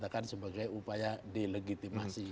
dikatakan sebagai upaya delegitimasi